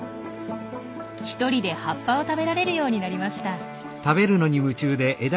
一人で葉っぱを食べられるようになりました。